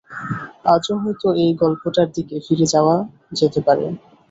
আজও হয়তো এই গল্পটার দিকে ফিরে চাওয়া যেতে পারে।